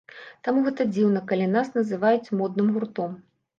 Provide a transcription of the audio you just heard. Таму гэта дзіўна, калі нас называюць модным гуртом.